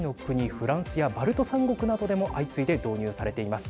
フランスやバルト３国などでも相次いで導入されています。